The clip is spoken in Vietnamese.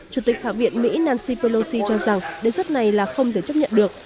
chủ tịch hạ viện mỹ nancy pelosi cho rằng đề xuất này là không thể chấp nhận được